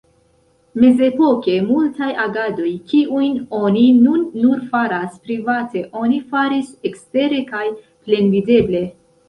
Mezepoke, multaj agadoj, kiujn oni nun nur faras private, oni faris ekstere kaj plenvideble.